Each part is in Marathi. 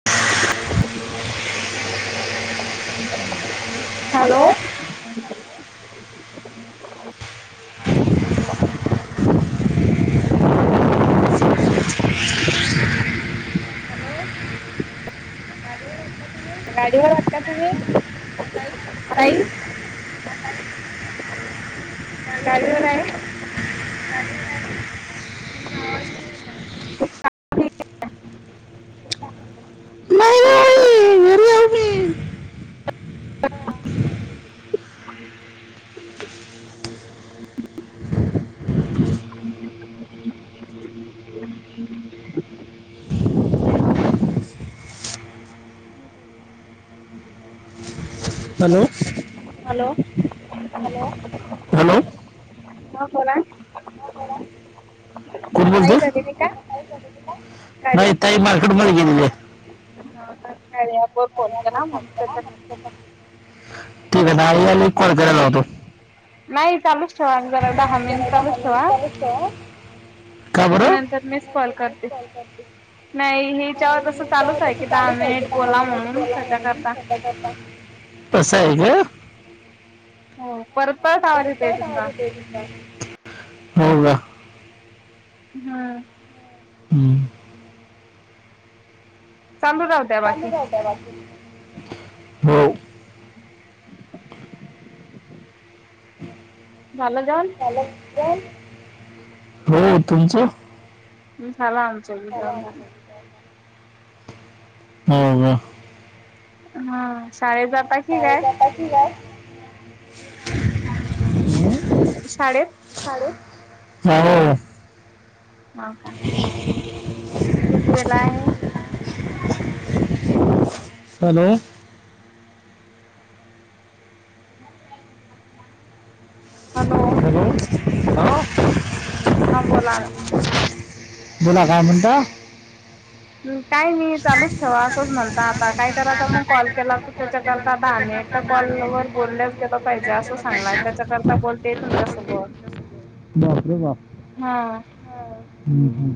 [unintelligible] हॅलो! गाडीवर आहात का तुम्ही ताई? [unintelligible] गाडीवर हाय. नाही नाही घरी आहो मी हॅलो! हॅलो! हॅलो! हा बोला कोण बोलतो का [unintelligible] नाही ताई मार्केट मध्ये गेलेले [unintelligible] हा अपोर फोन केला म्हणून त्या [unintelligible] हो [unintelligible] [unintelligible] नाही चालूच ठेवा जरा दहा मिनिट चालूच ठेवा. [unintelligible] का मग बरं नंतर मीच कॉल करते. नाही हेच्यावर तसं चालूच आहे. कि दहा मिनिट बोला म्हणून कश्याकरता तसं आहे का? हो परत परत आवाज येत [unintelligible] हो गा. हा. हम्म. चालू राहू द्या बाकी [unintelligible] हम्म. झालं जेवण? याला. [unintelligible] हो. तुमचं? झाला आमचं बी दोनदा. हो का? हा शाळेत जाता की काय? ठिक आहे. शाळेत शाळेत हो. हो का कितवीला आहे? हॅलो हॅलो, हा? हा बोला ना. बोला काय म्हणता? हम्म काय नाही चालूच ठेवा असंच म्हणता आता काय कराता मग कॉल केला तर त्याच्याकरता दानेट कॉलवर बोललंच गेलं पाहिजे असं सांगणं हाय. त्याच्याकरता बोलतेय तुमच्यासोबत. [unintelligible] हम्म हा हम्म.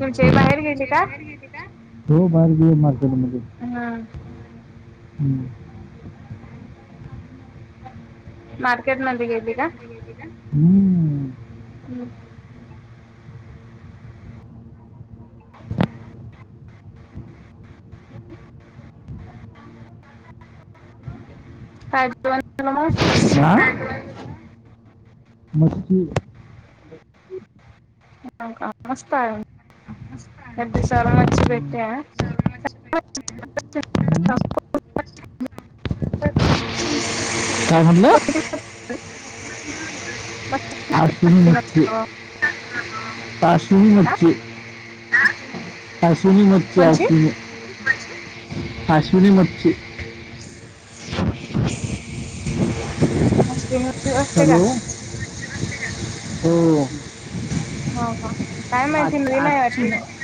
तुमची आई बाहेर गेली का हो बाहेर गेली मार्केटमध्ये. हम्म [inaudible] हम्म. मार्केटमध्ये गेली का? हम्म. [unintelligible] [unintelligible] नक्की हों का मस्त आहे. या दिवसात मच्छी हम्म, भेटते हा. [unintelligible] काय म्हटलं [unintelligible] [unintelligible] आश्विनी मुच्छी, आश्विनी मुच्छी आश्विनी कोणची [unintelligible] आश्विनी [unintelligible] [unintelligible] वरची असते का? हॅलो हो. हो का? काय माहिती आज- घरी नाही आजची वाटते. म-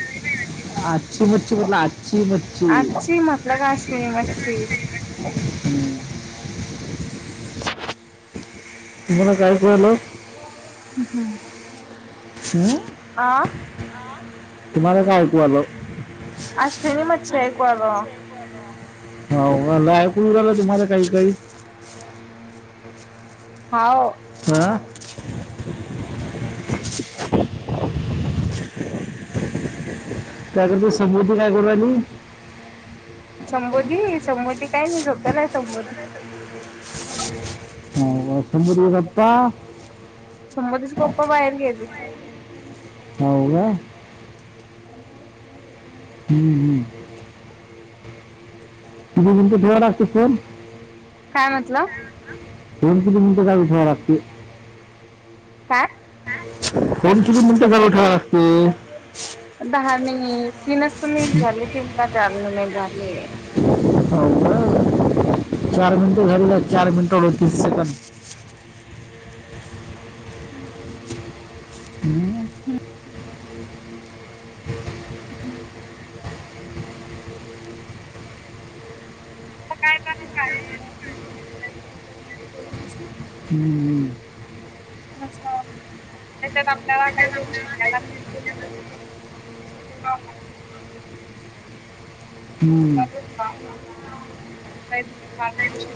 आजची मच्छी म्हटलं आजची मच्छी आच्ची मतलब आश्विनी मच्छी हम्म. [unintelligible] हम्म हम्म. हम्म. आं तुम्हाला काय ऐकु आलं असलेन मगछ आहे कवाल [unintelligible] हो मला ऐकू राहिलं तुम्हाला काही काही हाव आं काय करतो समृद्धी काय करू राहिली? संबोधी संबोधी काय नाही झोपेल हाय संबोधी हो का? समृद्धी गप्पा [unintelligible] समतीचे पप्पा बाहेर गेले. हाव का? हम् [unintelligible] हम्म हम्म. [unintelligible] लागते फल. काय म्हटलं? फोन किती मिनिटं चालू ठेवा लागते? काय फोन किती मिनिटं चालू ठेवा लागते हो दहा मिनिट तीनच तर मी झाले तीनदा चारमिनिट झाले हाव का चार मिनिट झाले चार मिनिट आडतीस सेकंद. [inaudible] हम्म. हम्म [unintelligible] आता काय कराय. [unintelligible] [unintelligible] हम्म, त्याच्यात आपल्याला काहीतरी शिकायला मिळतील. [unintelligible] [unintelligible] हम्म चालू काही थोडे फार कर शक [unintelligible]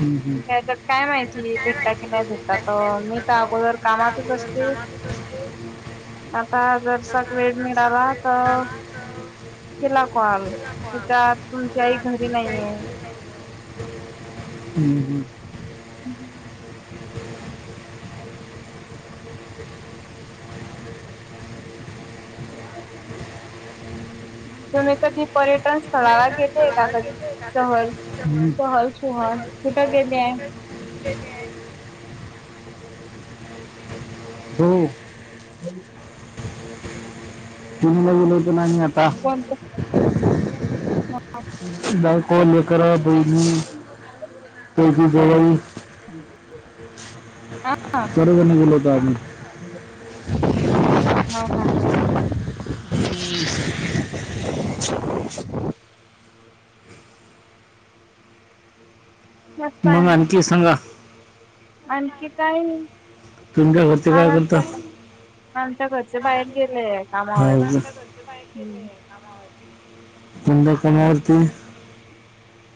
हम्म, हम्म, त्याच्यात काय माहिती भेटता की नाही भेटत तर मी तर अगोदर कामातच असते आता जर् साक वेळ मिळाला तर केला कॉल त्याच्या तुमची आई घरी नाही आहे. हम्म. [inaudible] तुम्ही कधी पर्यटन स्थळाला गेले का कधी शहर हम्म. सहल [unintelligible] कुठं गेले आहे? हो [unintelligible] [unintelligible] कोणत बायको लेखन बहिणी त्यायची जावई [unintelligible] हा ह [unintelligible] सर्वजण गेलो होतो आम्ही. हा का मस्त आहे मंग ना. आणखी सांगा? आणखी काय नाही. तुमच्या घरचे काय आराम करता चाला आमच्या घरच्या बाहेर गेलेय कामावर हम्म [inaudible] कोणत्या कमवती [unintelligible]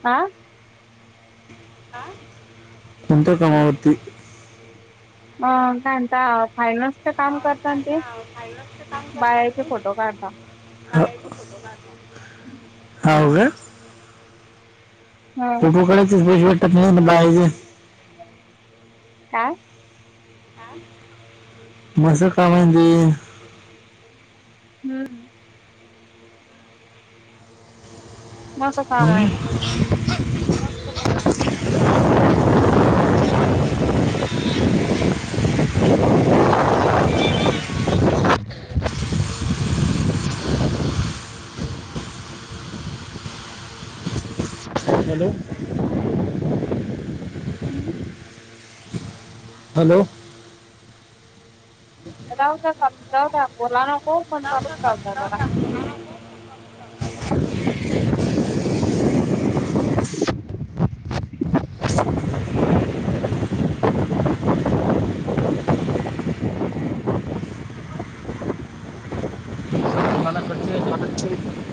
आं कोणत्या कामावरती? अ काय म्हणता फायनस काम करतात ते बायाचे फोटो काढता हा. हाव गा ह फोटो काढायचेच पैसे भेटतात [unintelligible] काय? आं. म असं का म्हणजे हम्म. मस्त काम आहे ना. हम्म. हॅलो. हॅलो. राहू द्या काम जाऊ द्या. बोलाय नको, पण चालूच राहू द्या जरा. [inaudible] मला खर्च यायचे [unintelligible]